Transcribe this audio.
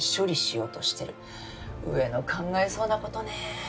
上の考えそうな事ね。